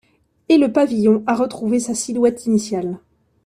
Et le pavillon a retrouvé sa silhouette initiale.